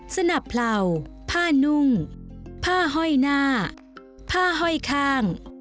สนับเผลาผ้านุ่งผ้าห้อยหน้าผ้าห้อยข้าง